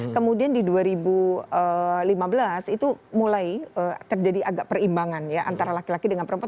kemudian di dua ribu lima belas itu mulai terjadi agak perimbangan ya antara laki laki dengan perempuan